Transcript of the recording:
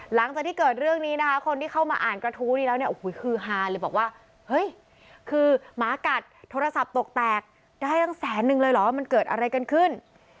หลังจากที่เกิดเรื่องนี้นะคะคนที่เข้ามาอ่านกระทู้นี้แล้วเนี่ยโอ้โหคือฮาเลยบอกว่าเฮ้ยคือหมากัดโทรศัพท์ตกแตกได้ตั้งแสนนึงเลยเหรอว่ามันเกิดอะไรกันขึ้น